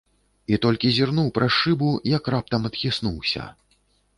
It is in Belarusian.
І толькі зірнуў праз шыбу, як раптам адхіснуўся.